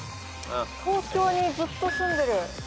東京にずっと住んでる。